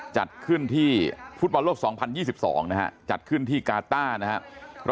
จัดขึ้นที่ฟุตบอลโลก๒๐๒๒นะฮะจัดขึ้นที่กาต้านะครับ